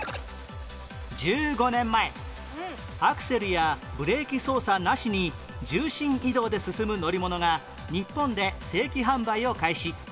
１５年前アクセルやブレーキ操作なしに重心移動で進む乗り物が日本で正規販売を開始